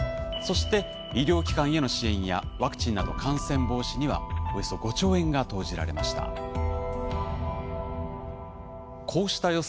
そして医療機関への支援やワクチンなど感染防止にはおよそ５兆円が投じられました。